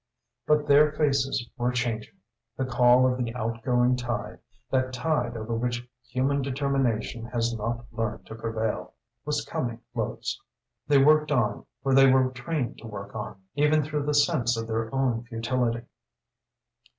But their faces were changing. The call of the outgoing tide, that tide over which human determination has not learned to prevail, was coming close. They worked on, for they were trained to work on, even through the sense of their own futility.